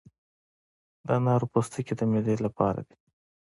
د انار پوستکي د معدې لپاره دي.